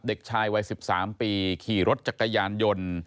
เด็กชายวัย๑๓ปีขี่รถจักรยานยนต์